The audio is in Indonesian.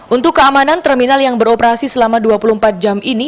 untuk keamanan terminal yang beroperasi selama dua puluh empat jam ini